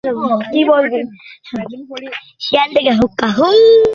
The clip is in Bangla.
এজন্য তিনি গ্রামে গ্রামে ঘুরে অনেক মুক্তিযোদ্ধাদের সাক্ষাৎকার নিয়েছেন।